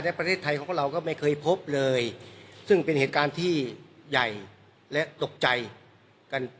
และประเทศไทยของพวกเราก็ไม่เคยพบเลยซึ่งเป็นเหตุการณ์ที่ใหญ่และตกใจกัน